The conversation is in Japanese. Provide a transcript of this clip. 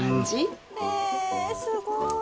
えすごい。